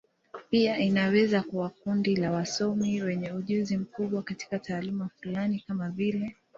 Pia inaweza kuwa kundi la wasomi wenye ujuzi mkubwa katika taaluma fulani, kama vile.